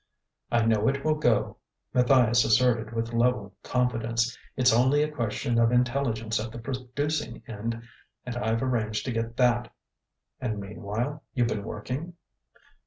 "I know it will go," Matthias asserted with level confidence. "It's only a question of intelligence at the producing end and I've arranged to get that." "And meanwhile you've been working?"